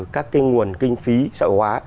các cái nguồn kinh phí sợi hóa